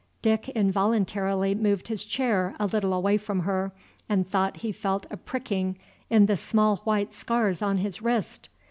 Dick involuntarily moved his chair a little away from her, and thought he felt a pricking in the small white scars on his wrist.